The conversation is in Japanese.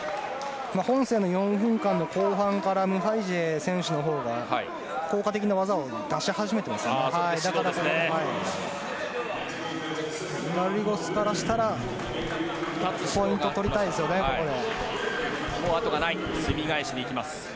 本戦の４分間の後半からムハイジェ選手のほうが効果的な技を出し始めていますよね。